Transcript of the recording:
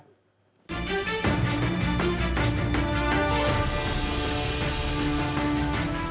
เลย